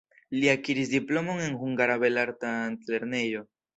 Li akiris diplomon en Hungara Belarta Altlernejo.